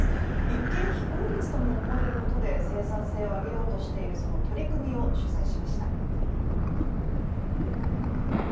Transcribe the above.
一見、非効率とも思えることで生産性を上げようとしているその取り組みを取材しました。